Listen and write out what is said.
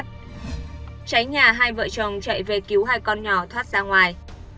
cháy nhà hai vợ chồng chạy về cứu hai con nhỏ thoát ra ngoài